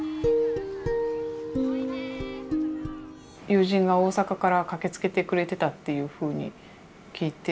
友人が大阪から駆けつけてくれてたっていうふうに聞いて。